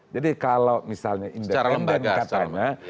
jadi kalau misalnya independen katanya